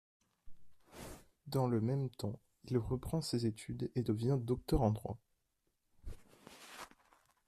Dans le même temps, il reprend ses études et devient docteur en droit.